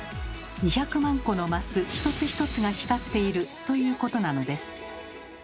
２００万個のマス１つ１つが光っているということなのです。